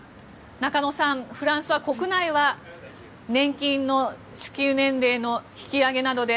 中野さん、フランスは国内は年金の支給年齢の引き上げなどで